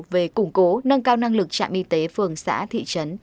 về củng cố nâng cao năng lực trạm y tế phường xã thị trấn